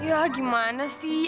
ya gimana sih